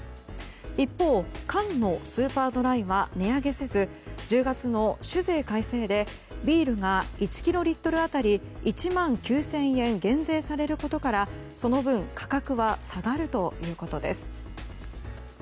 一方、缶のスーパードライは値上げせず１０月の酒税改正で、ビールが１キロリットル当たり１万９０００円減税されることから、その分価格は下がるということです。